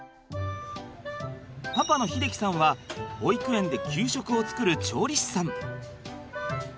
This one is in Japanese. パパの秀輝さんは保育園で給食を作る調理師さん。